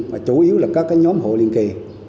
và chủ yếu là các nhóm hộ liên kỳ